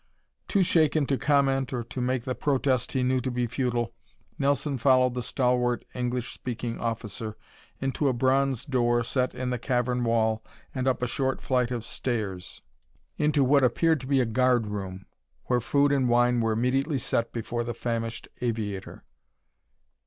Too shaken to comment or to make the protest he knew to be futile, Nelson followed the stalwart English speaking officer into a bronze door set in the cavern wall and up a short flight of stairs into what appeared to be a guard room, where food and wine were immediately set before the famished aviator.